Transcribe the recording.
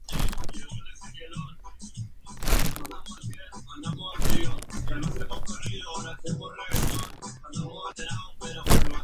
Fue maestro en Alcora para luego seguir en su localidad natal.